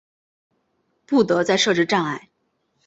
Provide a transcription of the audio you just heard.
不得再设置障碍